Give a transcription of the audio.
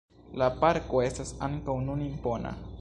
La parko estas ankaŭ nun impona.